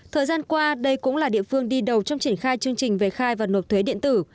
thời gian qua đây cũng là địa phương đi đầu trong triển khai chương trình về khai và nộp thuế điện tử